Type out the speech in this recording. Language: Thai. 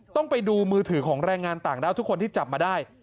ต้องไปดูมือถือของแรงงานต่างด้าวทุกคนที่จับมาได้